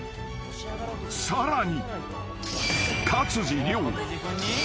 ［さらに］